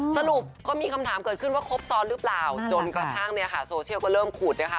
สรุปก็มีคำถามเกิดขึ้นว่าครบซ้อนหรือเปล่าจนกระทั่งเนี่ยค่ะโซเชียลก็เริ่มขุดนะคะ